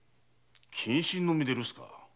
謹慎の身で留守か。